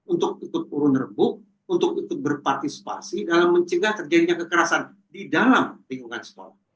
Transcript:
untuk ikut turun rebuk untuk ikut berpartisipasi dalam mencegah terjadinya kekerasan di dalam lingkungan sekolah